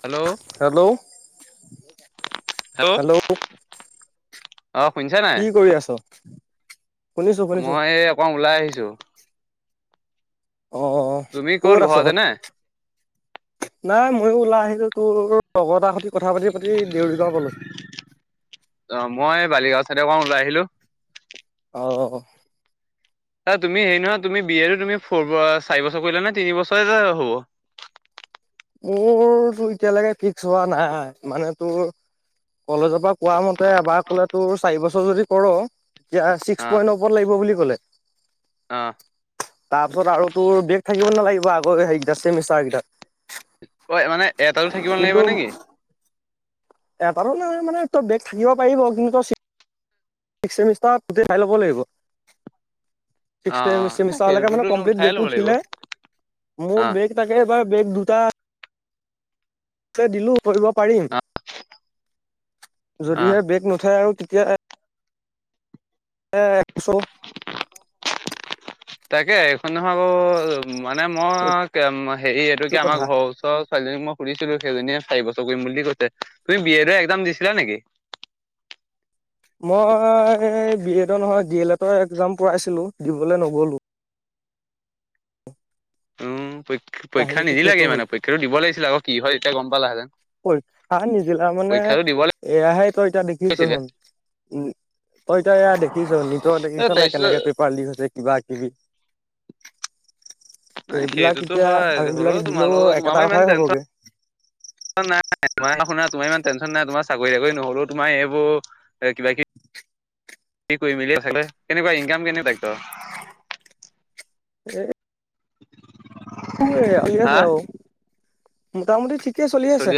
Hello! Hello! Hello! অঁ শুনিছা নাই? কি কৰি আছ? শুনিছো শুনিছো মই এই অকমান ওলাই আহিছোঁ। অঁ তুমি ক'ত ঘৰতে আছত? নে নাই ময়ো ওলাই আহিলো তোৰ লগৰ এটা সৈতে কথা পাতি পাতি দেউৰী গাঁও পালোহি। অঁ মই বালিগাঁও চাইডৰকণ ওলাই আহিলো। অঁ! তুমি হেৰি নহয় তুমি বিয়টো তুমি ফৰ চাৰি বছৰ কৰিলো নে তিনি বছৰে যে হ'ব। মোৰ তো এতিয়ালৈকে ফিক্স হোৱা নাই মানে তোৰ- কলেজৰ পৰা কোৱা মতে এবাৰ কলে তোৰ চাৰি বছৰ যদি কৰ - এতিয়া ছিক্স পইণ্টৰ ওপৰত লাগিব বুলি ক'লে। অঁ! তাৰ ওপৰত আৰু তোৰ বেগ থাকিব নালাগিব আগৌ চেমিষ্টাৰ কেইটাত। অঁ মানে এটাটো থাকিব নালাগিব নেকি? এতাতো নহয় মানে তই বেগ থাকিব পাৰিব কিন্তু ত- চিক্স ছেমিষ্টাৰ গোটেইাই হ'ব লাগিব। অ অ চিক্স ছেমিষ্টাৰ সেইটোতো কমপ্লিট উঠাই ল'ব লাগিব বগে অ মোৰ বগে তাকে এবাৰ বেগ দুটা- দিলো কৰিব পাৰিম অ অ যদিহে বেগ নথায় আৰু তেতিয়া- একশো- তাকে এইখন নহয় ব, মানে মই হেৰি এইটো কি আমাৰ ঘৰৰ ওচৰত। ছোৱালীজনী মই সুধছিলো, সেইজনীয়ে চাৰি বছৰ কৰিম বুলি কৈছে, তুমি বি এদো একজাম দিছিলা নেকি? মই বি এডৰ নহয়, ডি এল এডৰ একজাম পোইছিলো দিবলৈ নগলো। উমঁ, পৰীক্ষা কাহিনীটো নিদিলা সেইটো লাগে হ'ল মানে পৰীক্ষাতো দিব লাগিছিলে আক কি হয় তেতিয়া গম পালাহেতেন। পৰীক্ষা নিদিলা মানে এয়াহে তই এতিয়া দেখিছোঁ লাগিছিলে হুন। উমঁ, তই এতিয়া এয়া দেখিছ নিটৰ দেখিছ নে, তাৰপিছত কেনেকে পেপাৰ লিক হৈছে। কিবা কিবি- এইবিলাক সেইটোতো এতিয়া হয় আৰু হ'লেও আমিবিলাকে দিলেও তোমালোকৰ তোমাৰ একেটা পৰা ইমান কথাই টেনচন হ'বগে। নাই তুনা তোমাৰ ইমান টেনশ্যন নাই তোমাৰ চাকৰি চাকৰি নহ'লেও তোমাৰ এইবোৰ- কিবা কিবি কৰি মেলি থাকিলে কেনেকুৱা ইনকাম কেনেকুৱা ইহঁতৰ ভে হুৱে ঠিক আছে হা আৰু। মোটামুটি ঠিকেই চলি আছে।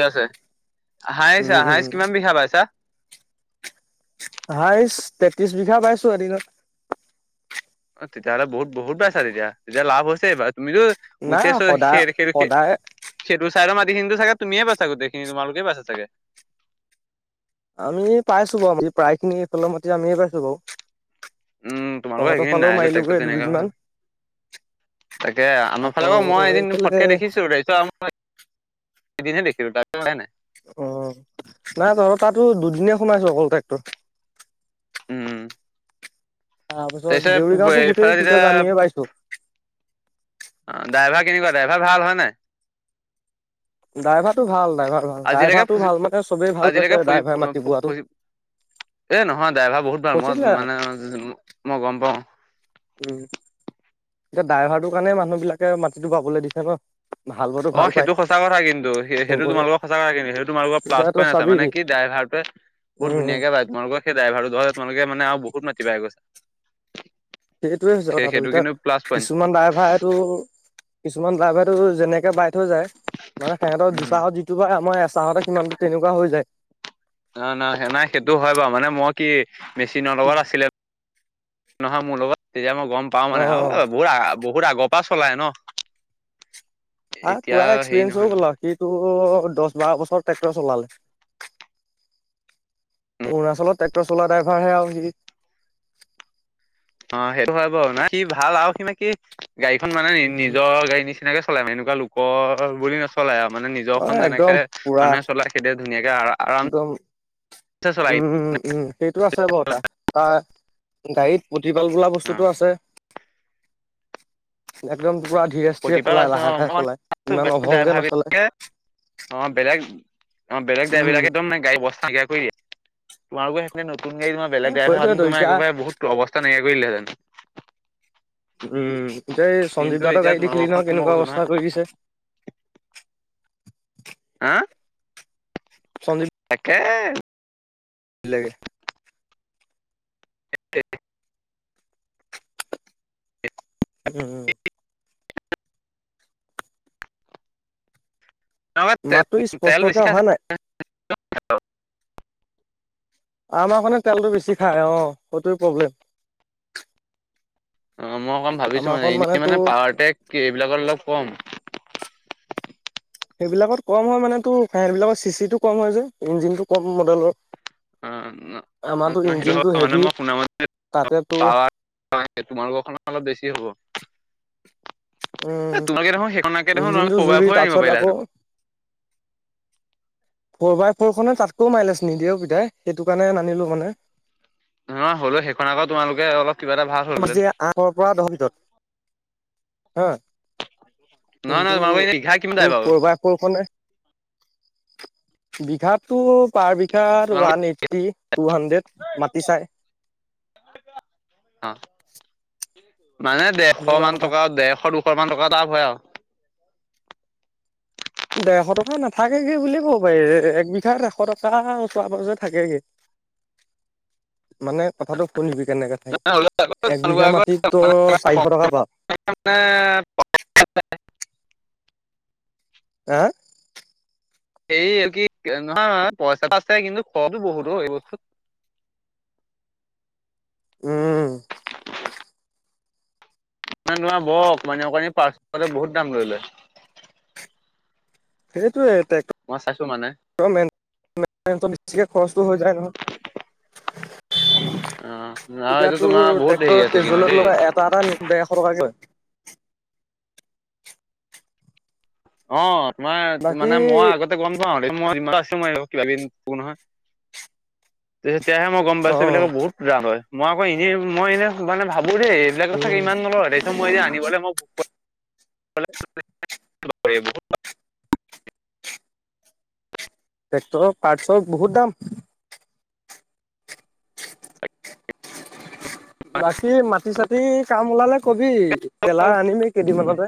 হাইচ উম হাইচ উম। কিমান বিঘা পাইছা? হাইছ তেত্ৰিশ বিঘা বাইছু এদিনত। অ তেতিয়াহ'লে বহুত বহুত বাইছা তেতিয়া। তেতিয়া লাভ হৈছে এইবাৰ। তুমিতো নাই গোটেই চ সদায় খেৰ খেৰ হে- সদায় সেইটো ছাইডৰ মাটিখিনি ত ছাগে তুমিয়েই পাইছা গোটেইখিনি তোমালোকে বাইছা ছাগে? আমি পাইছু বাৰু এই প্ৰায়খিনি এইফালৰ মাটি আমিয়েই পাইছো বাৰু। উম, তোমালোকৰ তহঁতৰ সেইখিনি নাই ফালেও যে ট্ৰেক্টৰ মাৰিলোগে তেনেকে ভাল দুদিনমান। তাকে আমাৰ আকৌ ফালে বাও মই এদিন এইফালে ফটকে দেখিছু যিহেতু আমা- ৰ এদিনহে দেখিলোঁ তাৰ পিছত দেখাই মাই। অঁ, নাই তহঁতৰ তাতো দুদিনেহে সোমাইছোঁ অকল ট্ৰেক্টৰ। উম। তাৰপিছত তাৰ দেউৰি গাঁওতো পিছত গোটেই ফালে টোটেল তেতিয়া- আমিয়ে পাইছো অ ড্ৰাইভাৰ কেনেকুৱা ড্ৰাইভাৰ ভাল হয় নাই? [unintelligible] ড্ৰাইভাৰটো ভাল ড্ৰাইভাৰ ভাল আজিলৈকে ড্ৰাইভাৰটো ফুচি ভাল মানে চবেই ভাল আজিলৈকে পাইছে ফু ড্ৰাইভাৰ মাটি বৱটো। ফুচি এ নহয় ড্ৰাইভাৰ বহুত ভাল। ফচিলে মই মানে মই গম পাওঁ। উম। এই ড্ৰাইভাৰটো কাৰণে মানুহ বিলাকে মাটিটো বাৱলৈ দিছে ন। ভাল পোৱাটো অ ভাল পায় সেইটো সঁচা কথা কিন্তু, সেইটো চবৰে তোমালোকৰ সঁচা কথা কিন্তু। সেইটো তোমালোকৰ প্লাছ এতিয়া তই পইণ আছে চাবি মানে কি ড্ৰাইভাটোৱে- বহুত উম ধুনীয়াকে বাই তোমালোকৰ সেই ড্ৰাইভাৰলে তোমালোকে মানে আৰু বহুত মাটি পাই গৈছে। সেইটোয়ে হৈছে কথাটো এতিয়া। কিছুমান ড্ৰাইভাৰেটো কিছুমান ড্ৰাইভাৰেটো যেনেকে বাই- হৈ যায়। মানে সিহতৰ উম দুচাহত যিটো বাই আমাৰ এচাহতে সিমানটো তেনেকুৱা হৈ যায়। নাই নাই স নাই সেইটো হয় বাৰু। মানে মই কি মেচিন লগত আছিলে- নহয় মোৰ লগত তেতিয়া মই গম পাও মানে অ বহুত আ বহুত আগ- পা চলাই ন। তাৰ এতিয়া পুৰা হেৰি এক্সপিৰিয়েঞ্চ নহয় হৈ গ'ল নহয় আৰু। সিটো দহ বাৰ বছ ট্ৰেক্টৰ চলালে। অৰুণাচলত ট্ৰেক্টৰ চলোৱা ড্ৰাইভাৰ হে আৰু সি। অ সেইটো হয় বাৰু। না সি ভাল আৰু সি গাড়ীখন মানে নিজৰ গাড়ী নিচ- চিনাকে চলাই। এনেকুৱা লোকৰ বুলি নচলায় মানে নিজৰ অ খন একদম যেনেকে পুৰা মানুহে চলাই- সেইটো ধুনীয়াকে আৰা- একদম উম উম সেইটো আছে বাৰু তাৰ। তাৰ- গাড়ীত প্ৰতিপাল বোলা অ বস্তুতটো আছে একদম পোৰা- ধিৰে স্থিৰে প্ৰতিপাল চলাই আছে লাহে লাহে অ চলায় ইমান অভংগে ড্ৰাইভাৰ নচলায়। বিলাকে অ বেলেগ অ বেলেগ ড্ৰাইভাৰ উম বিলাকে একদম গাড়ী অবস্তা বেয়া কৰি দিয়ে। তোমালোকৰ সেইখনে নতুন গাড়ী তোমাৰ বেলেগ ড্ৰাইভাৰ আনি সেইটোৱেতো তোমাৰ এতিয়া একেবাৰে বহুত অৱস্থা নাইকিয়া কৰিলেহেঁতেন। উম এতিয়া এই সঞ্জীৱ দাৰ এতিয়া গাড়ী দেখিলি তোমালোকৰখন ন মই কেনেকুৱা কৈছো নহয় অৱস্থা কৰি দিছে। হা? চঞ্জি- তাকে। দিলেগে। এক উম। নহয় মাতটো তেল স্পষ্টকে বেছি অহা খাইছে নাই। আমাৰখনে তেলটো বেছি খাই, অ' সেইটো প্ৰব্লেম। অ' মই অকণ ভাবিছো মানে, আমাৰখন এনেই মানে তোৰ পাৱাৰটেক এইবিলাকৰ অলপ কম। সেইবিলাকত কম হয় মানেতো ফাইবিলকৰ চি চিটো কম হয় যে ইঞ্জিনটো কম মডেলৰ। অ আমাৰতো সেইটো ইঞ্জিনটো মানে হেভি তাতে তোৰ হয় তোমালোকৰ খনৰ অলপ বেছি হ'ব। এ উম তোমালোকে দেখোন সেইখনতকে দেখোন তোমলোকে ইঞ্জিনটো ফ'ৰ জুৰি বাই ফ'ৰ আনিব তাৰপিছত পাৰিলা আকৌ হয় [unintelligible] ফ'ৰ বাই ফ'ৰখনে তাতকৈও মাৰিলে চোন নিদিয়ে অ' পিতাই সেইটো কাৰণে নানিলোঁ মানে। নহয় হ'লেওঁ সেইখন আকৌ তোমালোকে অলপ কিবা এটা ভাল খুব হ'লহেতেন বেছি আঠৰ পৰা দহ ভিতৰত হা নহয় কিন্তু নহয় তোমালোকৰ এনে বিঘা কিমান যায় তোৰ বাৰু ফ'ৰ বাই ফ'ৰ খনে বিঘাটো পাৰ বিঘাত তোমালোক ওৱান এইটটি টু হাণ্ড্ৰেড, মাটি চাই। অ' মানে ডেৰশ এনেকুৱা মান কথা। টকা ডেৰশ দুশ মান টকা এটা আপ হয় আও ডেৰশ টকা নাথাকেগে বুলি ক'ব পাৰি, এক বিঘা এশ টকা ওচৰে পাজৰে থাকেগে। মানে কথাটো শুনিবি কেনেকে থাকে, হ'লেও আকৌ এক তোমালোকৰ বিঘা আকৌ মাটিত তই চাৰিশ টকা পাৱ। [unintelligible] হে এই কি নহয় পইচাটো আছে কিন্তু খৰছো বহুত অ এই বস্তুত। উম মানে তোমাৰ বৰ অকনি অকনি পাৰ্টছবোৰত বহুত দাম লৈ লয়। সেইটোয়ে, টে মই চাইছো মানে তোমাৰ মণ্টেনেঞ্চত বেছিকে খৰচটো হৈ যায় নহয়। অ আৰু এতিয়া এইটো তোমাৰ তোৰ বহুত হেৰি ট্ৰেক্টৰ আছে কিন্তু কেজুৱেলত দেই লগা এটা এটা ডেৰশ টকাকে লয় অ' তোমাৰ বাকী মানে মই আগত [unintelligible] গ'ম পাইছো এইবিলাকৰ অ বহুত লাভ হয়, মই আকৌ এনেই মই এনেই মানে ভাবো দেই এইবিলাকত উম চাগে ইমান নলয়। মই যে আনিবলৈ মই [unintelligible] ট্ৰেক্টৰৰ পাৰ্টছৰ বহুত দাম। বাকী মাটি চাতি কাম ওলালে ক'বি, ট্ৰেলাৰ আনিমেই কেইদিনমানতে।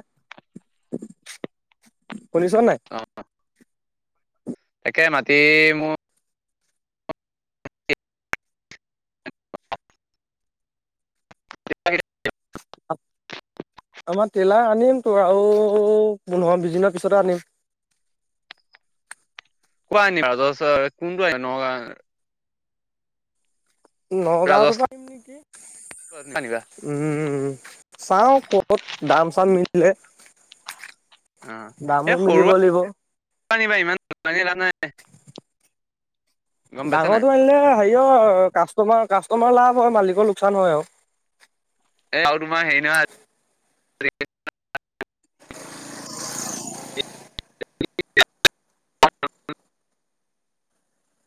শুনিছ নাই অ' তাকে মাটি মোৰ [unintelligible] আমাৰ ট্ৰেইলাৰ আনিম তোৰ আৰু পোন্ধৰ বিছ দিনৰ পিছতে আনিম। ক'ৰ পৰা আনিবি বাজাজৰ, কোনটো আনিবি নগাঁৱৰ নগাঁওতো পৰা ৰাজস্থান আনিবা উম চাঁও ক'ত দাম চাম মিলে দামো মিলিব লাগিব। দামী আনিবা ইমান ক'মদামী লাভ নাই। গম পাইছা নাই ডাঙৰটো আনিলে হেৰি অ কাষ্টটমাৰ কাষ্টটমাৰ লাভ হয় মালিকৰ লোকচান হয় আও এ আৰু তোমাৰ হেৰি নহয়। [unintelligible]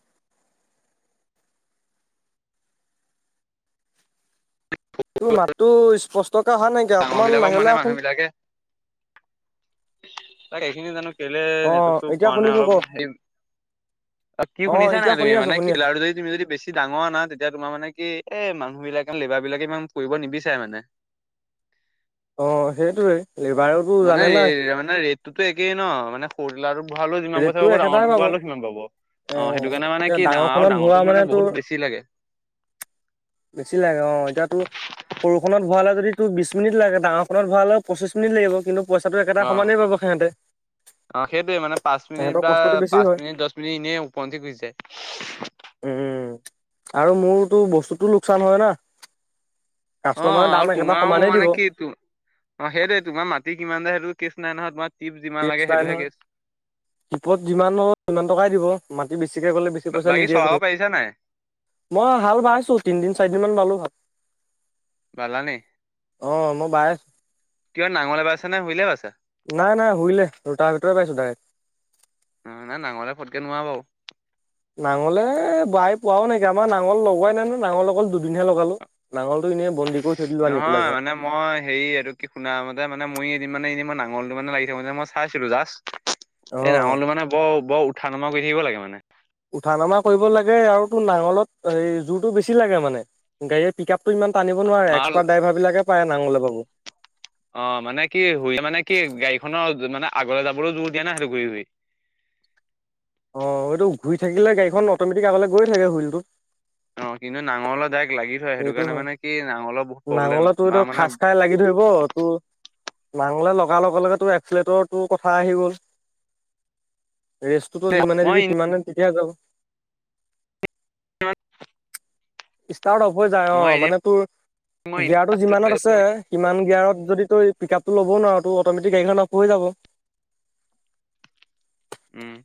তোৰ মাতটো স্পষ্টকে অহা নাই ডাঙৰ বিলাকক মানে, মানুহ বিলাকে তাক এইখিনি জানো। কেলে অ', নেটটো এতিয়া পোৱা নাই। শুনিছো অলপ ক। হে কি, অ', শুনিছা নাই এতিয়া তুমি? শুনি আছো মানে শুনি আছো কিলাৰ যদি তুমি যদি বেছি ডাঙৰ আনা, তেতিয়া তোমাৰ মানে কি, এ মানুহ বিলাকে লেবাৰ বিলাকে ইমান কৰিব নিবিচাৰে মানে। অ', সেইটোৱে লেবাৰত মানে, মানে ৰেটটোতো একেই ন। মানে [unintelligible] ভৰালেও যিমান ৰেটটো পইচা পাব, একেটাই ডাঙৰটোত ভৰালেও সিমান পাব। অ', এ সেইটো কাৰণে মানে এতিয়া কি, ডাঙৰ আৰু ডাঙৰখনত ভৰোৱা ডাঙৰটোত মানে তোৰ বহুত বেছি লাগে। বেছি লাগে অ'। এতিয়াতো সৰুখনত ভৰালে যদি, তোৰ বিশ মিনিট লাগে। ডাঙৰখনত ভৰালে পঁচিশ মিনিট লাগিব কিন্তু পইচাটো একেটা অ সমানেই পাব সিহঁতে অ' সেইটোৱে মানে, পাঁচ মিনিট তেহেঁতৰ বা কষ্টটো বেছি পাঁচ হয় মিনিট, দহ মিনিট এনেই উপৰঞ্চি গুচি যায়। উম আৰু মোৰটো বস্তুটো লোকচান হয় না। অ' কাষ্টমাৰে দাম আৰু একেটা তোমাৰ আৰু মোৰ সমানেই দিব মানে কি তোৰ, সেইটোৱে তোমাৰ মাটি কিমান যে সেইটো কেছ নাই নহয় তোমাৰ কিমান লাগে সেইটোহে কেচ। তিপত যিমান হয়, সিমান টকাই দিব। মাটি বেছিকে গ'লে বেছি পইচা বাকী নিদিয়ে চলাব কোনো। পাৰিছা নাই? মই হাল বাইছো। তিনদিন চাৰিদিনমান বালো হাল। বালা নি? অ মই বাই আছো কি নাঙলে বাইছা নে হুইলে বাইছা? নাই, নাই হুইলে। ৰুতাৰভেটাৰ বাইছো ডাইৰেক্ট। উম নাঙলে ফটকে নোৱাৰে বাৰু। নাঙলে বাই পোৱাও নাইকিয়া, আমাৰ নাঙল লগোৱাই নাই ন। নাঙল অকল দুদিনহে লগালো। নাঙলটো এনেই বন্দী কৰি থৈ দিলো আনি পেলাই নহয় ঘৰত মানে মই হেৰি, এইটো কি শুনা মতে মানে মই এদিন মানে এনে মই নাঙলটো মানে লাগি থাকে যে, মই চাইছিলো জাষ্ট। এই অ নাঙলটো মানে বৰ, বৰ উঠা নমা কৰি থাকিব লাগে মানে। উঠা নামা কৰিব লাগে। আৰু তোৰ নাঙলত এই জোৰটো বেছি লাগে মানে। গাড়ীয়ে পিক আপটো ইমান টানিব নোৱাৰে। অ এক্সপাৰ্ট ড্ৰাইভাৰবিলাকে পাৰে নাঙলে বাব। অ', মানে কি, হুইলে মানে কি, গাড়ীখনৰ মানে আগলৈ যাবলৈ জোৰ দিয়ে ন, সেইটো ঘূৰি ঘূৰি অ', এইটো ঘূৰি থাকিলে গাড়ীখন অ'মেটিক আগলৈ গৈ থাকে হুইলটো। অ' কিন্তু নাঙলৰ ডাইৰেক্ট লাগিব সেইটো হয়। নাঙলে তোৰ বা এইটো মানে খাজ খাই লাগি ধৰিব তোৰ নাঙলে লগাৰ লগে লগে তোৰ, এক্সিলেটৰটোৰ কথা আহি গ'ল। ৰেষ্টটোতো যিমানে মই দিবি, সিমানে তেতিয়াহে যাব। ষ্টাৰ্ট অফ হৈ যায়, মই অ'। এদিন মানে তোৰ মই গিয়াৰটো যিমানত আছে সিমান গিয়াৰত যদি তই পিক আপটো ল'ব নোৱাৰ, তেতিয়া অট'মেটিক গাড়ীখন অফ হৈ যাব। উম।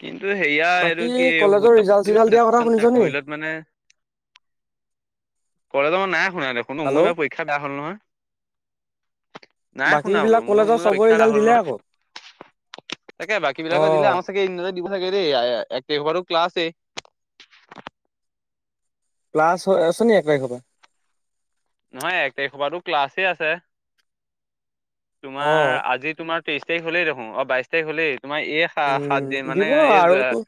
কিন্তু সেয়া, বাকী এইটো কি, কলেজৰ ৰিজাল্ট চিজাল্ট দিয়া কথা [unintelligible] শুনিছ নি? হুইলত মানে কলেজৰ মই নাই শুনা দেখোন। মোৰ হেল্ল'। এইবাৰ পৰীক্ষা বেয়া হ'ল নহয়। নাই বাকী শুনা বোলো। বিলাক মোৰ কলেজৰ মোৰ চবৰ পৰীক্ষা বেয়া ৰিজাল্ট হ'ল দিলে আকৌ নহয়। তাকে বাকী অ বিলাকৰ দিলে। আমাৰ তাকে [unintelligible] দিব লাগে দেই। এক তাৰিখৰ পৰাটো ক্লাছেই। ক্লাছ আছে নি এক তাৰিখৰ পৰা? নহয়, এক তাৰিখ পৰাটো ক্লাছে আছে। অ তোমাৰ, আজি তোমাৰ তেইশ তাৰিখ হ'লেই দেখোন। অ' বাইশ তাৰিখ হ'লেই। তোমাৰ এক উম, দিব আৰু। তোৰ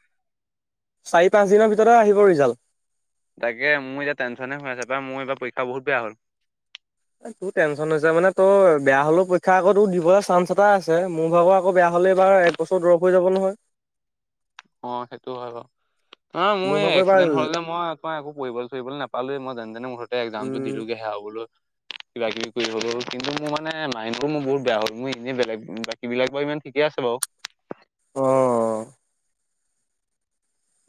চাৰি পাঁচ দিনৰ ভিতৰতে আহিব ৰিজাল্ট। তাকে, মোৰ এতিয়া টেনচনে হৈ আছে পায়। মোৰ এইবাৰ পৰীক্ষা বহুত বেয়া হ'ল। তোৰ টেনশচন হৈছে মানে তোৰ বেয়া হ'লেও পৰীক্ষা আকৌ তোৰ দিবলৈ চান্স এটা আছে। মোৰ ভাগৰ আকৌ বেয়া হ'লে এইবাৰ একবছৰ ড্ৰপ হৈ যাব নহয়। অ, সেইটো হয় বাৰু। অ', মোৰ এই ভাগৰ এইবাৰ এক্সিডেণ্ট হ'ল লে, মই তোমাৰ একো পৰিয়াললৈ ফুৰিবলৈ নাপালোঁৱে। মই যেনে যেনে মোৰ ঘৰ, একজামতটো উম দিলোঁ লগে, চে' হ'ব। কিবা কিবি কৰি হ'লো। কিন্তু মোৰ মানে মাইণ্ডো বহুত বেয়া হ'ল। মোৰ এনেই বেলেগ বাকীবিলাক বাৰু ইমান ঠিকে আছে বাও। অ,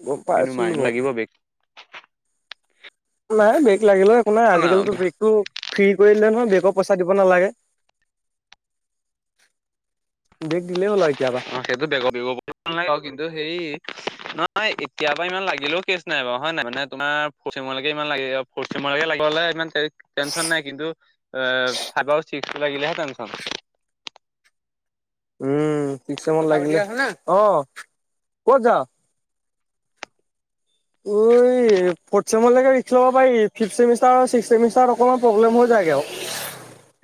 গম পাই কিন্তু আছিলো মাইন বাও। লাগিব বেগ নাই ব্ৰেগ লাগিলে একো নাই, আজিকালিতো ব্ৰেগতটো ফ্ৰী কৰি দিলে নহয়, ব্ৰেগৰ পইচা দিব নালাগে। বেগ দিলেও লয় কেতিয়াবা। অ সেইটো বেগৰ বেগ নাগে কিন্তু হে নহয় এতিয়াৰা ইমান লাগিলেও কে। নাই বাৰ, হয় নাই। মানে তোমাৰ ফ'ৰ্থ চেমলৈকে ইমান লাগিব। ফ'ৰ্থ চেমলৈকে লাগে হ'লে। টেনচন নাই কিন্তু অ ফাইভ আৰু ছিক্স টো লাগিলেহে টেনচন। উম ঠিকছে মন লাগিলে, অ কত যাওঁ। অইইই। ফৌৰ্থছেম ল'ব পাৰি। ফিফ্থ চেমিষ্টাৰত অকণমান প্ৰব্লেম হৈ যায়গে আৰু।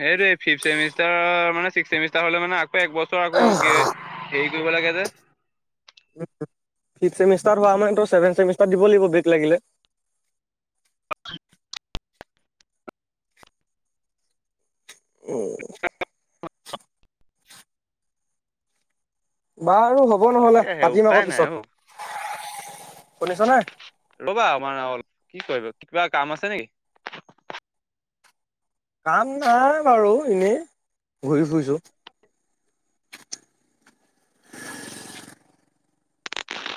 সেই দেই, ফিফ্থ চেমিষ্টাৰ মানে ছিক্সথ চেমিষ্টাৰ হ'লে মানে আকৌ এক বছৰ আকৌ। হেৰি কৰিব লাগে যে। ফিফ্থ চেমিষ্টাৰ হ'লে মানে ছেভেন্থ চেমিষ্টাৰ দিব লাগিব, বেক লাগিলে। উম। বা আৰু হ'ব নহ'লে তাকেহে পাতিম উপায় অকমান নাই অ পিছত। শুনিছ নে- ৰ'বা আমাৰ অল কি কৰিব কিবা কাম আছে নেকি- কাম নাই বাৰু এনেই ঘূৰি ফুৰিছোঁ।